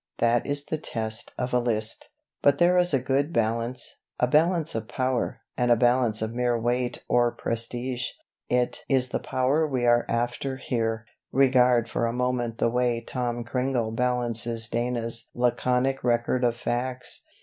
That is the test of a list. But there is a good balance, a balance of power, and a balance of mere weight or prestige. It is the power we are after here. Regard for a moment the way 'Tom Cringle' balances Dana's laconic record of facts.